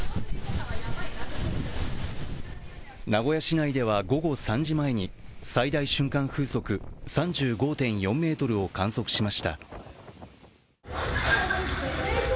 名古屋市内では午後３時前に最大瞬間風速３５．４メートルを観測しました。